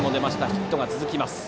ヒットが続きます。